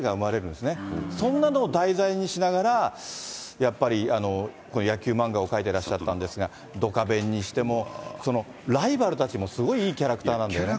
そんなのを題材にしながら、やっぱり野球漫画を描いてらっしゃったんですですが、ドカベンにしても、ライバルたちがすごいいいキャラクターなんで。